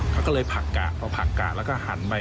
เขาก็เลยผักกะพอผักกะแล้วก็หันไป